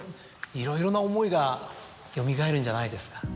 いろいろな思いがよみがえるんじゃないですか？